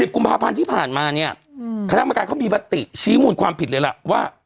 กุมภาพันธ์ที่ผ่านมาเนี่ยคณะกรรมการเขามีมติชี้มูลความผิดเลยล่ะว่า